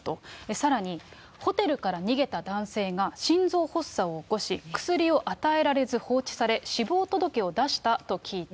さらに、ホテルから逃げた男性が心臓発作を起こし、薬を与えられず、放置され、死亡届を出したと聞いた。